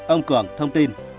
ông cường thông tin